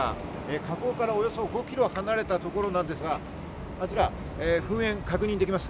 火口からおおよそ５ｋｍ離れたところなんですが、あちら噴煙が確認できます。